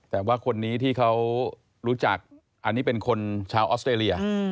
แต่ว่าคนนี้ที่เขารู้จักอันนี้เป็นคนชาวออสเตรเลีย